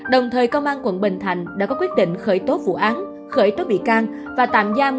đồng thời công an quận bình thạnh đã có quyết định khởi tố vụ án khởi tố bị can và tạm giam